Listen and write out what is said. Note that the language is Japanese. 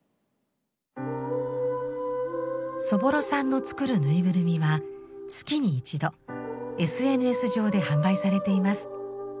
そぼろさんの作るぬいぐるみは月に一度ＳＮＳ上で販売されています。